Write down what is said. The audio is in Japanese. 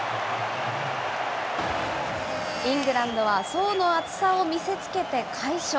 イングランドは層の厚さを見せつけて快勝。